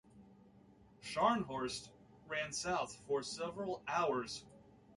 "Scharnhorst" ran south for several hours.